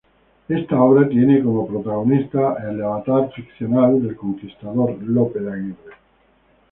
Esta obra tiene como protagonista al avatar ficcional del conquistador Lope de Aguirre.